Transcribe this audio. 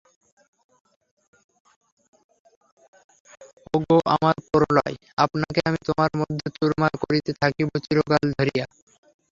ওগো আমার প্রলয়, আপনাকে আমি তোমার মধ্যে চুরমার করিতে থাকিব– চিরকাল ধরিয়া!